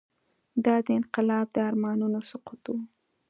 دا د انقلاب د ارمانونو سقوط و.